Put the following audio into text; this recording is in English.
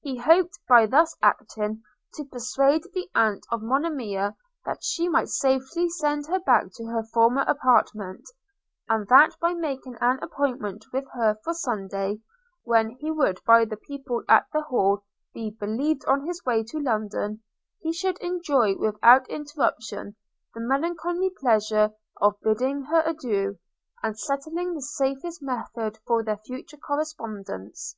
He hoped, by thus acting, to persuade the aunt of Monimia that she might safely send her back to her former apartment; and that by making an appointment with her for Sunday, when he would by the people at the Hall be believed on his way to London, he should enjoy without interruption the melancholy pleasure of bidding her adieu, and settling the safest method for their future correspondence.